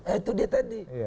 itu dia tadi